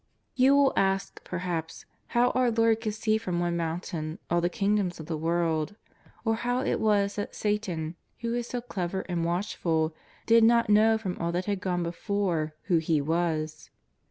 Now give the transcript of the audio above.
You will ask, perhaps, how our Lord could see from one mountain all the kingdoms of the world ? Or how > was that Satan, who is so clever and watchful, did not know from all that had gone before who He was